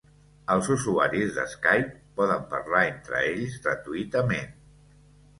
Els usuaris de Skype poden parlar entre ells gratuïtament.